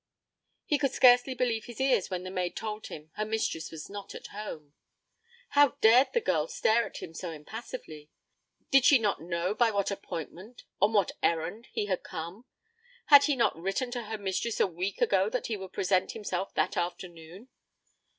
He could scarcely believe his ears when the maid told him her mistress was not at home. How dared the girl stare at him so impassively? Did she not know by what appointment on what errand he had come? Had he not written to her mistress a week ago that he would present himself that afternoon?